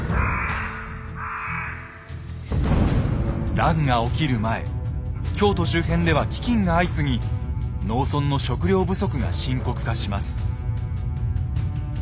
乱が起きる前京都周辺では飢きんが相次ぎ農村の食料不足が深刻化します。